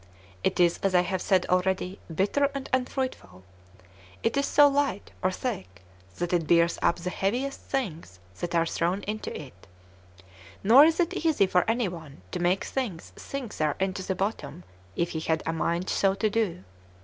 It is, as I have said already, bitter and unfruitful. It is so light [or thick] that it bears up the heaviest things that are thrown into it; nor is it easy for any one to make things sink therein to the bottom, if he had a mind so to do.